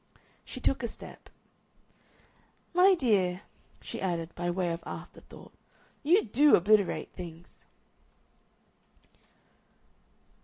She took a step. "My dear," she added, by way of afterthought, "you DO obliterate things!"